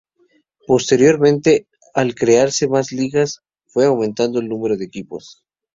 Posteriormente al crearse más ligas fue aumentando el número de equipos.